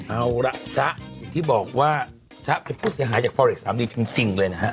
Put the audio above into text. เอาล่ะจ๊ะอย่างที่บอกว่าจ๊ะเป็นผู้เสียหายจากฟอเล็กสามดีจริงเลยนะฮะ